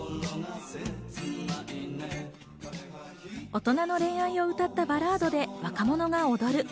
大人の恋愛を歌ったバラードで若者が踊る。